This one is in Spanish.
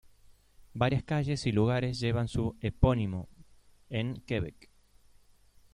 Varias calles y lugares llevan su epónimo, en Quebec.